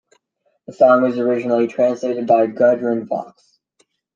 The song was originally translated by Gudrun Fox.